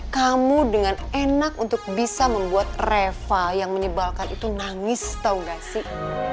kamu dengan enak untuk bisa membuat reva yang menyebalkan itu nangis tahu gak sih